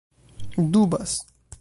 dubas